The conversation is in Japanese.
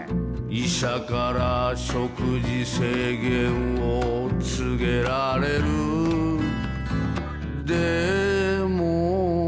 「医者から食事制限を告げられるでも」